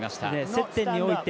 接点において